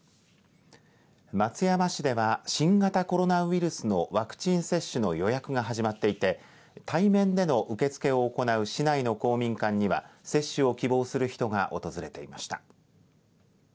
松山市では新型コロナウイルスのワクチン接種の予約が始まっていて対面での受け付けを行う市内の公民館には接種を希望する人が訪れていました。